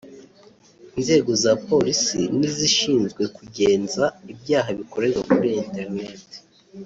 Inzego za Polisi n’izishinzwe kugenza ibyaha bikorerwa kuri internet